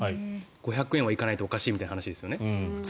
５００円はいかないとおかしいみたいな話ですよね。